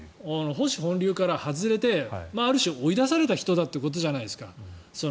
保守本流からは外れてある種、追い出された人だってことじゃないですか。